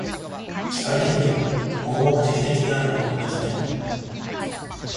機械的でも、合目的的でもあることはできない。